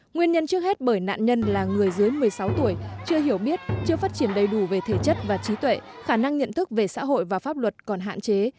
nguyên nhân trước hết bởi nạn nhân là người dưới một mươi sáu tuổi chưa hiểu biết chưa phát triển đầy đủ về thể chất và trí tuệ khả năng nhận thức về xã hội và pháp luật còn hạn chế